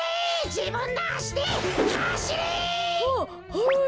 じぶんのあしではしれ！ははい！